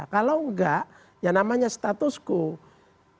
kalau enggak yang namanya status quote